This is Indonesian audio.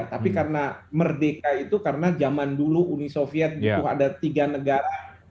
tapi karena merdeka itu karena zaman dulu uni soviet butuh ada tiga negara